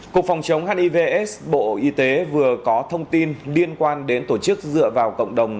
cục phòng chống hivs bộ y tế vừa có thông tin liên quan đến tổ chức dựa vào cộng đồng